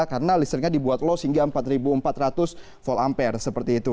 karena listriknya dibuat low hingga empat ribu empat ratus volt ampere seperti itu